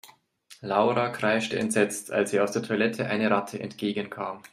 Laura kreischte entsetzt, als ihr aus der Toilette eine Ratte entgegenkam.